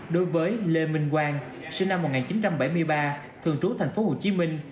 đối với lê minh quang sinh năm một nghìn chín trăm bảy mươi ba thường trú thành phố hồ chí minh